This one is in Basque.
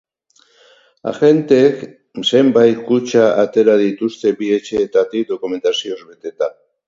Agenteek zenbait kutxa atera dituzte bi etxeetatik dokumentazioz beteta.